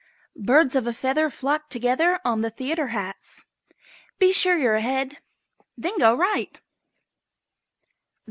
Birds of a feather flock together on the theatre hats. Be sure you're ahead then go right.